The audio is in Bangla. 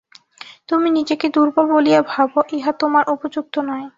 তুমি নিজেকে দুর্বল বলিয়া ভাব, ইহা তোমার উপযুক্ত নয়।